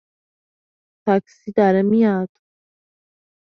تاکسی داره میاد!